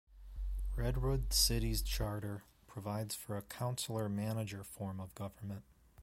Redwood City's charter provides for a councilor-manager form of government.